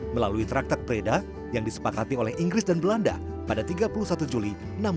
melalui traktek preda yang disepakati oleh inggris dan belanda pada tiga puluh satu juli seribu enam ratus enam puluh